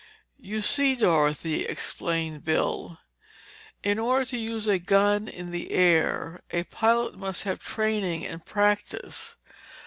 "You see, Dorothy," explained Bill, "in order to use a gun in the air, a pilot must have training and practice.